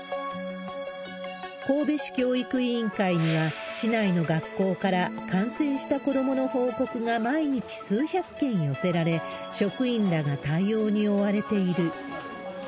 神戸市教育委員会には、市内の学校から、感染した子どもの報告が毎日数百件寄せられ、職員らが対応に追われている。